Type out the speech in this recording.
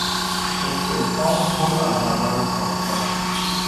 استحکام پل از نظر ساختار